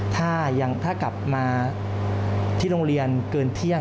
ถ้ากลับมาที่โรงเรียนเกินเที่ยง